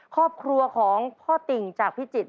ครอบครัวของพ่อติ่งจากพิจิตร